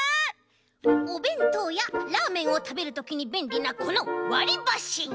おべんとうやラーメンをたべるときにべんりなこのわりばし。